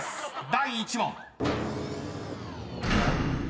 第１問］